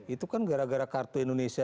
itu kan gara gara kartu indonesia